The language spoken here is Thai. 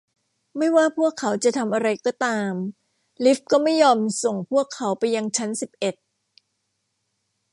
ไม่ว่าพวกเขาจะทำอะไรก็ตาม ลิฟต์ก็ไม่ยอมส่งพวกเขาไปยังชั้นสิบเอ็ด